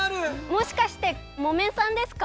もしかしてモメンさんですか？